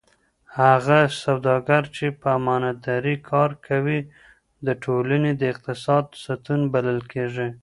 هغه سوداګر چې په امانتدارۍ کار کوي د ټولنې د اقتصاد ستون بلل کېږي.